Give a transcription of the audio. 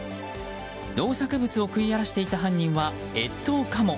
農作物を食い荒らしていた犯人は越冬カモ。